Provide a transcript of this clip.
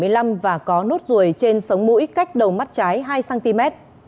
đối tượng này có nốt ruồi trên sống mũi cách đầu mắt trái hai cm